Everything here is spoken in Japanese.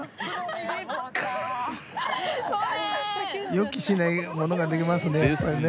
予期しないものが出ますね。